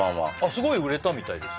スゴい売れたみたいです